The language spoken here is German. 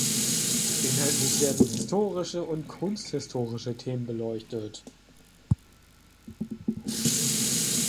Inhaltlich werden historische und kunsthistorische Themen beleuchtet.